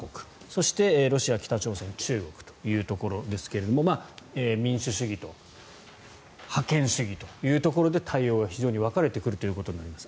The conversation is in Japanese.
そしてロシア、北朝鮮、中国というところですが民主主義と覇権主義というところで対応が非常に分かれてくるということになります。